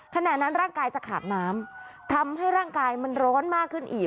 ขณะนั้นร่างกายจะขาดน้ำทำให้ร่างกายมันร้อนมากขึ้นอีก